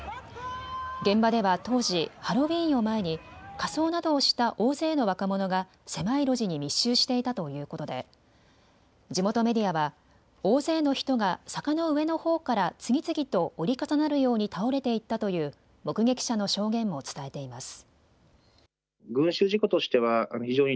現場では当時、ハロウィーンを前に仮装などをした大勢の若者が狭い路地に密集していたということで地元メディアは大勢の人が坂の上のほうから次々と折り重なるように倒れていったという目撃者の証言も伝えています。